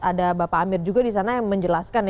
ada bapak amir juga di sana yang menjelaskan